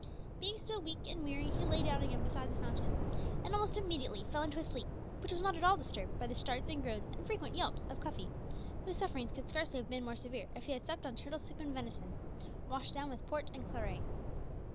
Being still weak and weary, he lay down again beside the fountain, and almost immediately fell into a sleep, which was not at all disturbed by the starts and groans and frequent yelps of Cuffy, whose sufferings could scarcely have been more severe if he had supped on turtle soup and venison, washed down with port and claret.